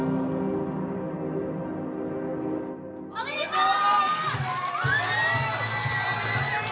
おめでとう！